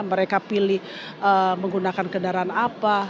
mereka pilih menggunakan kendaraan apa